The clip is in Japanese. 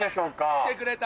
来てくれた。